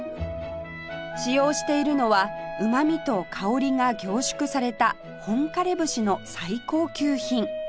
使用しているのはうまみと香りが凝縮された本枯節の最高級品